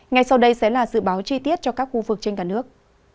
ngay sau đây sẽ là dự báo chi tiết cho các khu vực trên cả nước